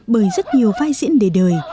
bởi rất nhiều vai diễn đề đời